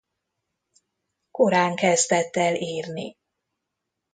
Korán kezdett el írni.